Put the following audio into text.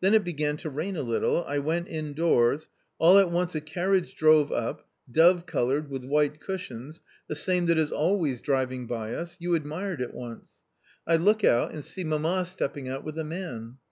Then it begun to rain a little, I went indoors, all at once a carriage drove up, dove coloured with white cushions, the same that is always driving by us — you admired it once. I look out and see mamma stepping out with a man.